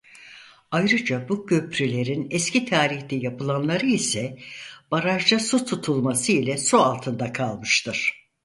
Ayrıca bu köprülerin eski tarihte yapılanları ise barajda su tutulması ile su altında kalmıştır.